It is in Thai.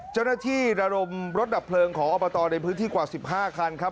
เจ้าหน้าที่ร้านรมรถดับเพลิงขออบตรอในพื้นที่กว่า๑๕คันครับ